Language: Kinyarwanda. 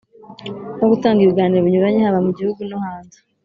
no gutanga ibiganiro binyuranye haba mu Gihugu no hanze